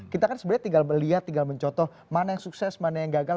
kita kan sebenarnya tinggal melihat tinggal mencotoh mana yang sukses mana yang gagal